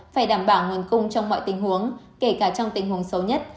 phải đảm bảo nguồn cung trong mọi tình huống kể cả trong tình huống xấu nhất